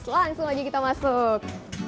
langsung aja kita masuk